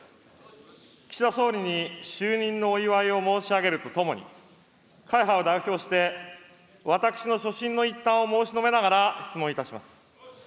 総理に就任のお祝いを申し上げるとともに、会派を代表して、私の所信の一端を申し述べながら質問いたします。